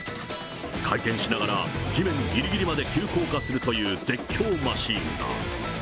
回転しながら地面ぎりぎりまで急降下するという絶叫マシーンだ。